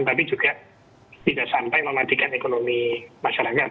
tapi juga tidak sampai mematikan ekonomi masyarakat